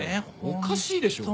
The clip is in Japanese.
おかしいでしょ。